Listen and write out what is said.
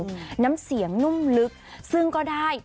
คุณฟังเสียงแล้วรู้สึกเป็นยังไง